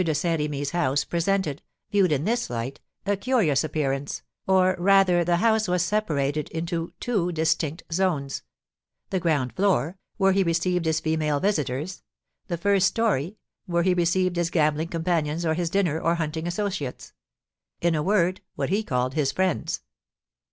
de Saint Remy's house presented (viewed in this light) a curious appearance, or rather the house was separated into two distinct zones, the ground floor, where he received his female visitors; the first story, where he received his gambling companions or his dinner or hunting associates; in a word, what he called his friends.